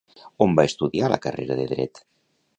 On va estudiar la carrera de Dret?